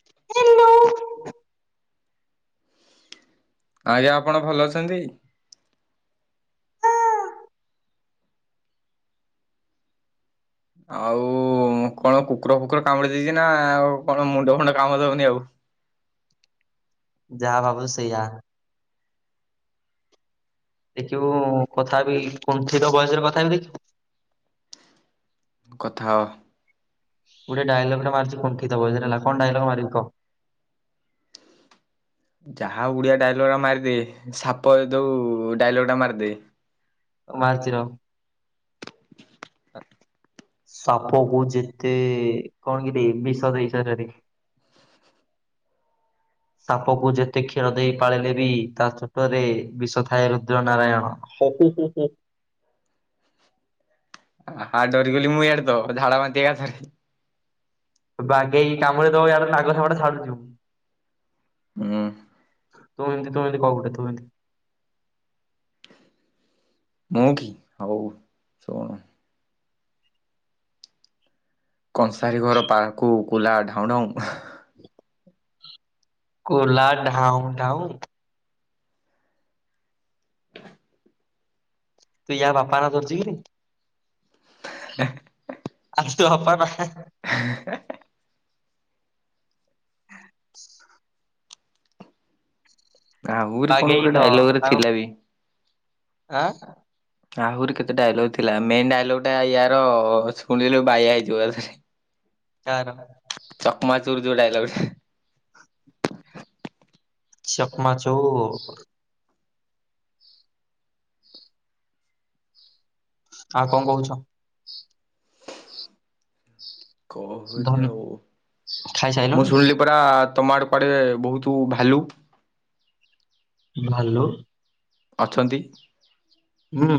ଦେଲୁ ଆଜ୍ଞା ଆପଣ ଭଲ ଅଛନ୍ତି? ଆଉ କଣ କୁକୁର ଫୁକୁର କାମୁଡି ଦେଇଛି ନା ଆ ଆଉ କଣ ମୁଣ୍ଡ ଫୁଣ୍ଡ କାମ ଦଉନି ଆଉ। ଯା ଭାବୁଚୁ ସେୟା। ଦେଖିବୁ କଥା ହେବି କୁଣ୍ଠିତ ଭଏସରେ କଥା ହେବି ଦେଖିବୁ। କଥା ହଅ। ଗୋଟେ ଡାଏଲଗଟେ ମାରୁଛି କୁଣ୍ଠିତ ଭଏସ୍ ରେ ହେଲା କଣ ଡାଏଲଗ ମାରିବି କହ। ଯାହା ହଉ ଓଡିଆ ଡାଇଲଗ ଟା ମାରିଦେ ସାପ ଦଉ ଡାଇଲଗଟା ମାରିଦେ। ମାର୍ଚର। ସାପ କୁ ଯେତେ କଣ କିରେ ବିଷ ଦେଇ ସରି ସରି ସାପ କୁ ଯେତେ କ୍ଷୀର ଦେଇ ପାଳିଲେ ବି ତା ଚୋଟରେ ବିଷ ଥାଏ ରୁଦ୍ର ନାରାୟଣ ହୁ ହୁ ହୁ ହୁ। ହାଁ ଡରିଗଲି ମୁଇଁ ୟାଡେତ ଝାଡ଼ା ବାନ୍ତି ଏକାଥରେ। ବାଗେଇକି କାମୁଡିଦବ ୟାଡେ ନାଗସାପ ଟା ଛାଡୁଚୁ। ହୁଁଉଁ। ତୁ ଏମତି ତୁ ଏମତି କୋଉ ଗୋଟେ ତୁ ଏମତି। ହୁଁ କି ହଉ ଶୁଣ। କଂସାରୀ ଘର ପାହାକୁ କୁଲା ଢାଉଁ ଢାଉ ହେଁ କୁଲା ଢାଉଁ ଢାଉଁ। ତୁ ୟା ବାପା ନା ଧରୁଚୁ କିରେ [inaudible] ଆବେ ତୋ ଅପା ପା ହେଁ। ହେ ହେ ହ [inaudible] ଆହୁରି କଣ ବାଗେଇକି ଗୋଟେ ଧ ଡାଇଲଗ ରେ ତାଙ୍କ ଥିଲା ବି? ଆଁ ଆହୁରି କେତେ ଡାଇଲଗ ଥିଲା ମେନ୍ ଡାଇଲଗଟା ୟାର ଶୁଣିଲୁ ବାୟା ହେଇଯିବୁ ଏକାଥେରେ। କାର ଚକମା ତୁ ଯୋଉ ଡାଇଲଗ୍ ଟା ଚକମା ଚୁର୍। ଆଉ କଣ କହୁଚ? କଁ ଧନ ହଉଚି ଆଉ ମୁଁ ଖାଇସାଇଲଣି? ଶୁଣିଲି ପରା ତମ ଆଡେ କୁଆଡେ ବହୁତୁ ଭାଲୁ। ଭାଲୁ ଅଛନ୍ତି ହୁଁ।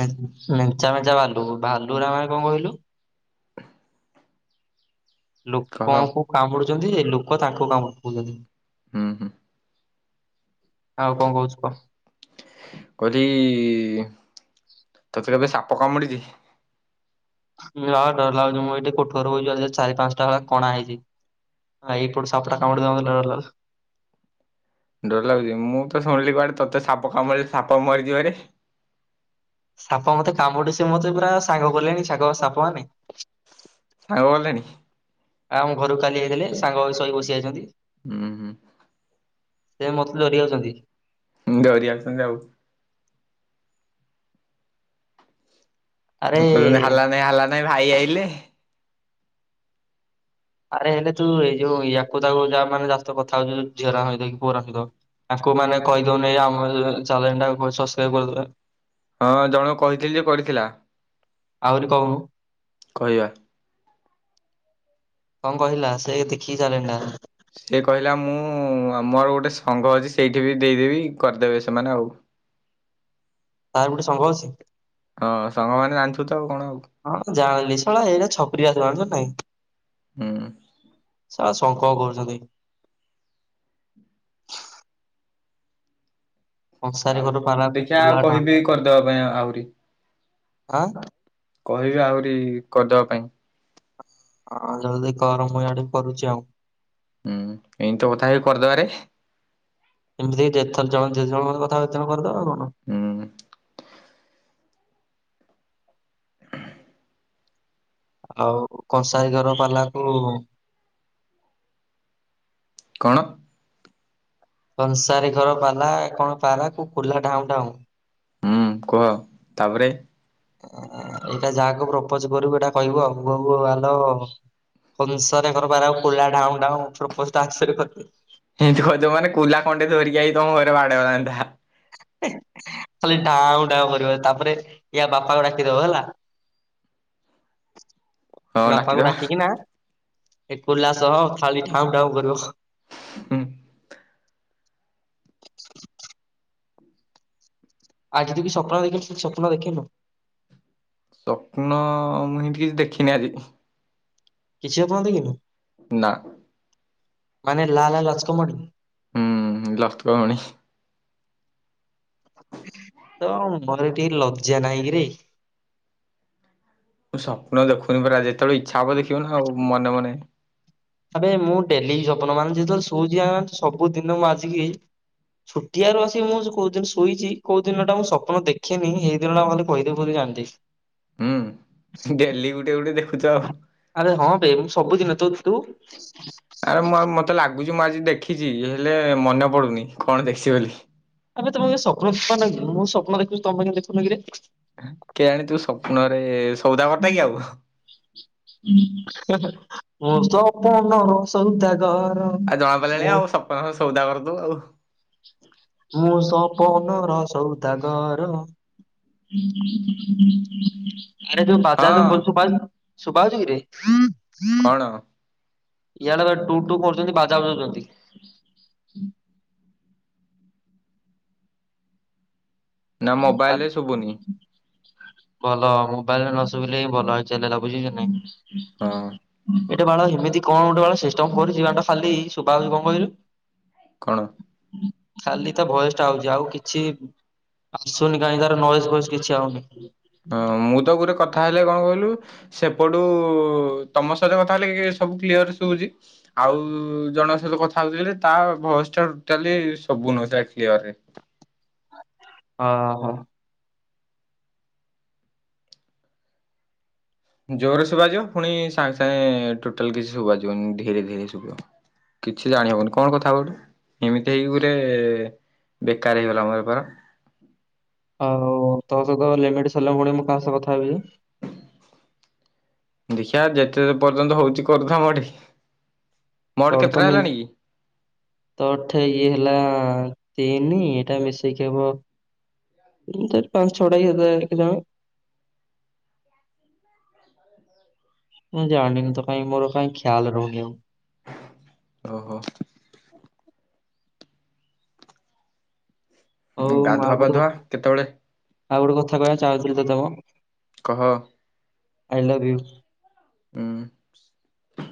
ମେଁ ମେଞ୍ଚା ମେଞ୍ଚା ଭାଲୁ ଭାଲୁ ଗୁରା ମାନେ କଣ କହିଲୁ? କହ। ଲୋକଙ୍କୁ କାମୁଡୁ ଜଦିଯେ ଲୋକ ତାଙ୍କୁ କାମୁଡ଼ିପଉଚନ୍ତି। ହୁଁ ହୁଁ। ଆଉ କଣ କହୁଚୁ କହ। କହିଲି ତତେ କେବେ ସାପ ପ କାମୁଡ଼ିଚି? ନା ଡର ଲାଗୁଚି ମୁଁ ଏଠି କୋଠ ଘରେ ବଇଚି ଆ ଦେହରେ ଚାରି ପାଞ୍ଚଟା ଭଳିଆ କଣା ହେଇଛି ଆଁ ଏଇପଟୁ ସାପଟା କାମୁଡି ଦବ ମତେ ଡର ଲାଗୁଚି। ଡର ଲାଗୁଚି ମୁଁ ତ ଶୁଣିଲି କୁଆଡେ ତୋତେ ସାପ କାମୁଡ଼ିଲେ ସାପ ମରିଯିବରେ। ସାପ ମତେ କାମୁଡି ସେ ମତେ ପୁରା ସାଙ୍ଗ କଲେଣି ସାଗ ସାପ ମାନେ। ସାଙ୍ଗ କଲେଣି? ଆମ ଘରକୁ କାଲି ଆଇଥିଲେ ସାଙ୍ଗ ହୋଇ ଶୋଇ ବସି ଯାଇଚନ୍ତି। ହୁଁ ହୁଁ। ସେ ମତେ ଡରି ଯାଉଚନ୍ତି। ଡ଼ରି ଆଉଚନ୍ତି ଯାଉ। ଆରେ ମୁଁ କହିଲିନା ହାଲା ନାଇ ହାଲା ନାଇ ଭାଇ ଆଇ ଲେ ଆରେ ହେଲେ ତୁ ଏଇ ଯୋଉ ୟାକୁ ତାକୁ ଯା ମାନେ ଯା ସହିତ କଥା ହଉଛୁ ଝିଅରାଙ୍କ ସହିତ କି ପୁଅରାଙ୍କ ସହିତ ତାକୁ ମାନେ କହିଦଉନୁ ଏଇ ଚାଲେନ୍ ଟାକୁ ସସ୍କ୍ରାଇବି କରିଦେବେ। ହଁ ଜଣକୁ କହିଥିଲି ଯେ କରିଥିଲା। ଆହୁରି କହୁ କହିବା। କଣ କହିଲା ସେ ଦେଖିକି ଚାଲେଣି ଟା ସେ କହିଲା ମୁଁ ମୋର ଗୋଟେ ସଂଙ୍ଘ ଅଛି ସେଇଠି ବି ଦେଇଦେବି କରିଦେବେ ସେମାନେ ଆଉ। ତାର ଗୋଟେ ସଂଙ୍ଘ ଅଛି। ହଁ ସାଙ୍ଗମାନେ ଜାଣିଥୁ ତ ଆଉ କଣ ଆଉ ସଳା ଏଇଟା ଛପ୍ରି ଜଣିଛ ନାଇଁ ହୁଁ। ଆ ଶଙ୍ଖ କରୁଛନ୍ତି। କଂସାରୀ ଆଉ ଘର ପାରା ଦେଖିଆ ଫୁଲା ଆଉ ଢା କହିବି କରିଦବା ପାଇଁ ଆହୁରି। ଆଁ। କହିବି ଆହୁରି କରିଦବା ପାଇଁ। ହଁ ଜଲଦି କରେ ମୁଁ ଆଡେ କରୁଚି ଆଉ। ହୁଁ ଏମି ତ କଥା ହେଇ କରିଦବାରେ। ଏମିତିକି ଯେଥର ଜଣେ ଯେଜଣ ଙ୍କ ସହିତ କଥା ହବା କର୍ କରିଦବା ଆଉ କଣ? ହୁଁ ଆଉ କଂସାଇ ଘର ପାଲାକୁ କଣ? ସଂସାରୀ ଘର ପାଲା କଣ ପାରା କୁ କୂଲା ଢାଉଁ ଢ଼ାଉଁ ହୁଁ କୁହ ତାପରେ ଏଇଟା ଯାହାକୁ ପ୍ରପୋଜ କରିବୁ ଏଇଟା କହିବୁ ଆଉବ ଆଲୋ ସଂସାରୀ ଘର ପାରା କୁ କୂଲା ଢାଉଁ ଢାଉଁ ପ୍ରପୋଜ ଟା ଆକ୍ସେପ୍ଟ ଏମିତି କହିଦେବୁ ମାନେ କୁଲା ଖଣ୍ଡେ ଧରିକି ଆସି ତମ ଘରେ ବାଡେଇବ ଜଣିଥା। ଖାଲି ଢାଉଁ ଢାଉଁ କରିବ ତାପରେ ୟା ବାପାକୁ ଡାକିଦବ ହେଲା। ହଁ ସେ ବାପାକୁ ଡାକିଦବା ଡାକିକି ନା ଏ କୁଲା ସହ ଖାଲି ଢାଉ ଢାଉ କରିବ। ହୁଁ। ଆଜି ଯୁ କି ସ୍ୱପ୍ନ ଦେଖିଚୁ ସେ ସ୍ୱପ୍ନ ଦେଖେନୁ? ସ୍ୱପ୍ନ ମୁଁ ହିତି କିଛି ଦେଖିନି ଆଜି। କିଛି ଅପଣନ୍ ଦେଖିନୁ। ନା। ମାନେ ଲା ଲା ଲଚକମଣି। ହୁଁ ଲତକ ମଣି। ତ ମନରେ ଟିକେ ଲଜ୍ଜା ନହିଁ କିରେ। ସ୍ୱପ୍ନ ଦେଖୁନି ପରା ଯେତେବେଳେ ଇଚ୍ଛା ହବ ଦେଖିବ ନା ଆଉ ମନେ ମନେ ଏବେ ମୁଁ ଡେଲି ସ୍ୱପ୍ନ ମାନେ ଯେତେବେଳେ ଶୋଉଛି ସବୁଦିନ ମୁଁ ଆଜିକି ଛୁଟିଆରୁ ଆସିକି ମୁଁ କୋଉ ଦିନ ଶୋଇଛି କୋଉ ଦିନ ଟା ମୁଁ ସ୍ୱପ୍ନ ଦେଖିନି ହେଇ ଦିନ ଟି କେ କହିଦେବି ବୋଲି ଜାଣିଦେବି। ହୁଁ ଡେଲି ଗୁଟେ ଗୁଟେ ଦେଖ ଆରେ ହଁ ବେ ମୁଁ ସବୁଦିନ ତୁ? ତୁ? ଆରେ ମତେ ଲାଗୁ ଲାଗୁଛି ମୁଁ ଆଜି ଦେଖିଛି ହେଲେ ମନେ ପଡୁନି କଣ ଦେଖିଛି ବୋଲି। ଆମେ ତମେ ସ୍ୱପ୍ନ ମୁଁ ସପ୍ନ ଦେଖୁଛି ତମେ କେମିତି ଦେଖୁନ କିରେ? କେ ଆଣି ତୁ ସ୍ୱପ୍ନରେ ସଉଦାଗର ଟା କି ଆଉ। ମ ସପନର ସଉଦା ଆଉ ଜଣା ପଡ଼ିଲଣି ଆଉ ସପ୍ନ ର ସଉଦାଗର ତୁ ଆଉ। ମୁଁ ସ ପନ ର ସଉଦାଗାର। ଆରେ ଯୋ ବାଜା ହଁ ବଲଛୁ ବା। ସୁଭାହୋଉଚି କିରେ। କଣ? ଇା ଲ ଟୁ ଟୁ କରୁଛନ୍ତି ବାଜା ବଜଉଛନ୍ତି। ନା ମୋବାଇଲ ଆ ରେ ଶୁଭୁନି। ଭଲ ମୋବାଇଲରେ ନ ଶୁଭିଲେ ହିଁ ଭଲ ଚାଲେଇଲା ବୁଝଛ ନାଇଁ। ହଁ [inaudible] ଏଟେ ବାଳ ଏମିତି କଣ ଗୋଟେ ବାଳ ସିଷ୍ଟମ କରୁଛି ଗଟା ଖାଲି ଶବାଛି କଣ କହିଲୁ? କଣ? ଖାଲି ତ ଭଏସ ଟା ହଉଛି ଆଉ କିଛି ଆସୁନି କାହିଁ ତାର ନଏଜ ଫ କିଛି ଆଉନି। ହଁ ମୁଁ ତ ଗୋରେ କଥା ହେଲେ କଣ କହିଲୁ ସେପଟୁ ତମ ସହିତ କଥା ହେଲେ ସବୁ କ୍ଲିୟର ଶଉଛି ଆଉ ଜଣଙ୍କ ସହିତ କଥା ହଉଥିଲେ ତା ବ୍ୟବସ୍ ଟୋଟାଲି ସବୁ ନଥିଲା କ୍ଳିଅରରେ। ହଁ ହଁ। ଜୋରରେ ଶୁଭାଯିବ ପୁଣି ସାଙ୍ଗେ ସାଙ୍ଗେ ଆଉ ତୋ ସ ଲେମଲ ଭଳିଆ ମୁଁ କାହା ସହ କଥା ହେବି ଯେ। ଦେଖିଆ ଯେତେ ପର୍ଯ୍ୟନ୍ତ ହଉଛି କରୁଥା ବଢି। ତୋର ତ ମି ତୋର ତ ଠେଇ ଏ ହେଲା ତିନି ଏଇଟା ମିଶେଇକି ହବ ପାଞ୍ଚ ଛଅଟା [unintelligible] ମୁଁ ଜାଣିନି ତ କାଇହିଁ ମୋର କାଇଁ ଖ୍ୟାଲ୍ ରହୁନି ଆଉ। ଓ ହୋ। ହଉ ମୁଁ ଆଉ ଗାଧୁଆ ଗୋଟେ ପାଧୁଆ କଥା କେତେବେଳେ? ଆଉ ଗୋଟେ କଥା କହିବା ଚାହୁଁଥିଲ ତତେ ମ। କହ। I love you.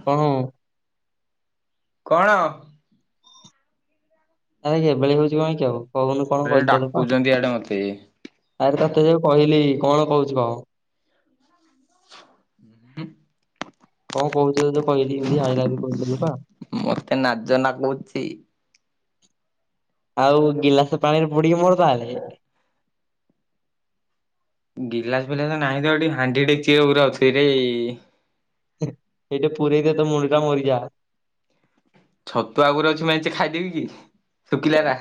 କଣ ହୁଁ? କଣ? ଆରେ ଏବେଳି ହଉଛି କହିଁ କିି ଆଉ କହୁନୁ କଣ ରେ କହିଥିଲୁପା ଡାକୁଛନ୍ତି ଇଆଡେ ମତେ ଦେବ ଆରେ ତତେ ଯଉ କହିଲି। କଣ କହୁଛୁ କହ? ହୁଁ। କଣ କହୁ କହିଲି ଏମତି ଆଇ ଲଭ୍ ୟୁ କହିଥିଲୁ ପା। ମତେ ନାଜ ନାଗୁଛି। ଆଉ ଗିଲାସ ପାଣିରେ ବୁଡିକି ମର ତାହଲେ। ଗିଲାସ ଫିଲାସ ନାହିଁ ତ ଏଠି ହାଣ୍ଡି ଡେକଚି ଗୁରା ଅଛି ରେ। ଏଇଟା ପୁରେଇ ଦେ ତୋ ମୁଣ୍ଡଟା ମରିଯା। ଛତୁ ଆଗରେ ଅଛି ମେଞ୍ଚେ ଖାଇଦେବି କି? ଶୁଖିଲାରା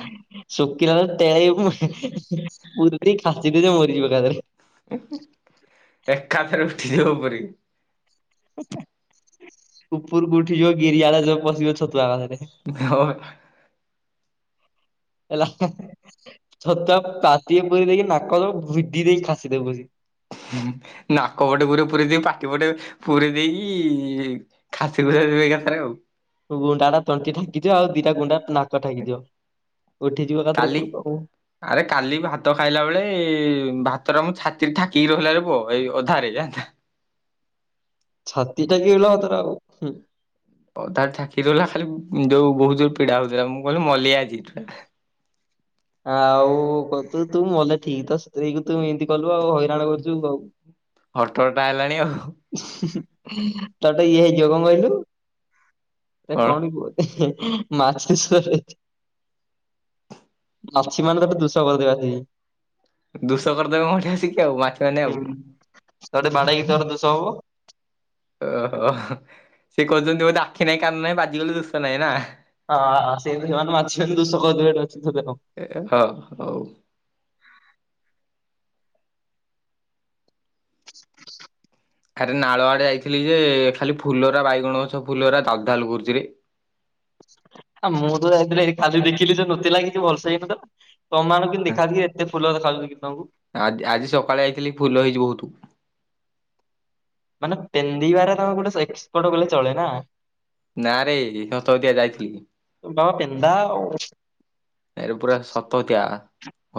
ସୁକିଲ ତ ତେଳେଇବୁ। ପୁରେଇଦେ ଖାସିବୁ ଯେ ମରିଯିବୁ ଏକାଥରେ। ଏକାଥରେ ଉଠିଯିବ ପରି। ଉପରକୁ ଉଠି ଯିବ ଗିରିଆଳ ଯଉ ପଶିଯବ ଛତୁଆ ରେ [unintelligible] ହେଲା ଛତୁଆ ପାଟି ପୁରେଇ ଦେଇକି ନାକରୁ ଭିଡି ଦେଇକି ଖାସି ଦେବୁ କସିକି। ନାକପଟେ ପୁରା ପୁରେଇ ଦେଇ ପାଟି ପଟେ ପୁରୀ ଦେଇକି ଖାସି ଖୁସି ଦବୁ ଏକଥାରେ ଆଉ। ଗୁଣ୍ଡା ଟା ତଣ୍ଟି ଠେଁକିଦିଅ ଆଉ ଦିଟା ଗୁଣ୍ଡା ନାକ ଠେଁକିଦିଅ। କାଲି ଆରେ କାଲି ଭାତ ଖାଇଲା ବେଳେ ଭା ଏଥର ମୋ ଛତି ଠାକିକି ରହିଲାର ପୁଅ ଏଇ ଅଧାରେ ଯାନ୍ତା। ଛାତି ଟା କି ହେଲେ ହ ତାରବଁ। ଅଧା ଠାକି ଗଲା ଖାଲି ଯୋଉ ବହୁତ ଜୋର ପୀଡା ହଉଥିଲା ମୁଁ କହିଲି ମଲି ଆଜି। ଆଉ କହିଲୁ ତୁ ମଲେ ଠିକ ତ ତୋ ସ୍ତ୍ରୀ କୁ ଏମତି କଲୁ ଆଉ ହଇରାଣ କରୁଛୁ ଆଉ ହଟ ହଟା ହେଲାଣି ଆଉ। ତତେ ଇଏ ହେଇଯିବ କଣ କହିଲୁ? ଏ କଣ କୁ। [unintelligible] ମାଛି ମାନେ ଦୋଷ କରିଦେବେ ଆସିକି। ଦୁସ କରିଦେବେ ମ ଏଠି ଆସିକି ଆଉ ମାଛି ମାନେ ଆଉ। ତୋଠି ବାଡ଼ହେଇକି ତୋର ଦୋଷ ସ ହବ। ଓହୋ ସିଏ କହୁଛନ୍ତି ବୋଧେ ଆାଖି ନାହିଁ କାନ ନାହିଁ ବାଜିଗଲେ ଦୋଷ ନାହିଁ ନା ହଁ ସେମତି ଯୋଉମାନେ ମାଛିମାନେ ଦୁଷ କରିଦେବେ ହଁ ହଉ। [inaudible] ଆରେ ନାଳ ଆଡେ ଯାଇଥିଲି ଯେ ଖାଲି ଫୁଲ ର ବାଇଗଣ ଗଛ ଫୁଲ ରା ଦାଲ ଦାଲୁ କରୁଛିରେ। ମୁଁ ତ ଯାଇଥିଲି ଖାଲି ଦେଖିଲି ଯେ ନଥିଲା କିଛି ଭଲସେ ହେଇନଥିଲା। ତମମାନଙ୍କୁ କିନ୍ତୁ ଦେଖାଯାଉଛି ଏତେ ଫୁଲ ଦେଖାଯାଉଛି କି ତମକୁ। ଆ ଆଜି ସକାଳେ ଯାଇଥିଲି ଫୁଲ ହେଇଛି ବହୁତ। ମାନେ ପେନ୍ଦିବାରେ ତମେ ଗୋଟେ ଏକ୍ସପଟ କହିଲେ ଚଳେ ନା? ନାରେ ସତସତିଆ ଯାଇଥିଲି। ହଁ ପେନ୍ଦା ଉ। ଆରେ ପୁରା ସତସତିଆ।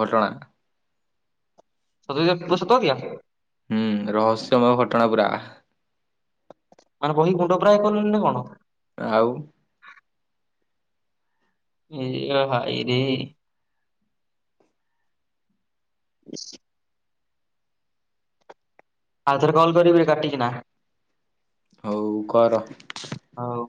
ଘଟଣା। ସତରେ କୁହ ସତ ସଟିକା ହୁଁ ରହସ୍ୟମୟ ଘଟଣା ପୁରା। ମାନେ ବହି ଗୁଣ୍ଡ ପୁରା କଲୁଣି ନା କଣ? ଆଉ। ଏ ଭାଲିଆ ଭାଇରେ। ଇସ୍ ଆଉ ଥରେ କଲ୍ କରିବି ରେ କାଟିକିନା। ହଉ କର। ହଉ।